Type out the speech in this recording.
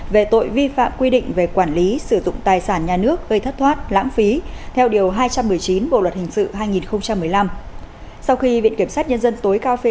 về tội vi phạm quy định về quản lý sử dụng tài sản nhà nước gây thất thoát